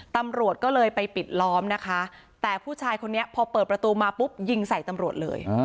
ตำรวจก็เลยไปปิดล้อมนะคะแต่ผู้ชายคนนี้พอเปิดประตูมาปุ๊บยิงใส่ตำรวจเลย